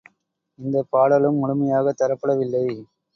இந்தப் பாடலும் முழுமையாகத் தரப்படவில்லை.